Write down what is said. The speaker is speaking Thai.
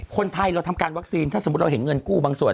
คนไทยเราทำการวัคซีนถ้าสมมุติเราเห็นเงินกู้บางส่วน